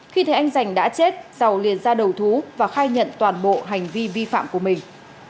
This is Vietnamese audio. khi thấy anh giành đã chết dầu liền ra đầu thú và khai nhận toàn bộ hành vi vi phạm của mình